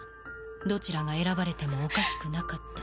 どちらが選ばれてもおかしくなかった。